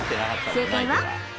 正解は。